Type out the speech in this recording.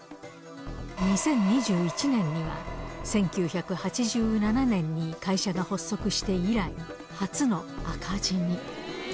２０２１年には、１９８７年に会社が発足して以来、初の赤字に。